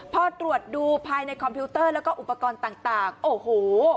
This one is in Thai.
พอตรวจดูภายในคอมพิวเตอร์แล้วก็อุปกรณ์ต่างโอ้โห